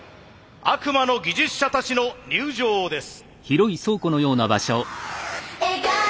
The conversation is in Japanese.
悪魔の技術者たちの入場です。